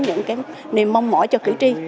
những cái niềm mong mỏi cho cử tri